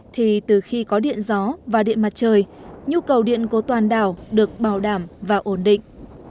thì từ khi có điện gió và điện mặt trời nhu cầu điện của toàn đảo được bảo đảm và ổn định